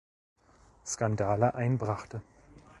Skandale einbrachte.